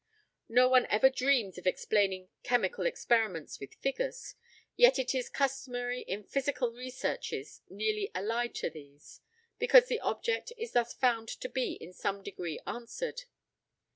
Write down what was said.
No one ever dreams of explaining chemical experiments with figures; yet it is customary in physical researches nearly allied to these, because the object is thus found to be in some degree answered.